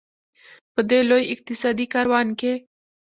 په دې لوی اقتصادي کاروان کې.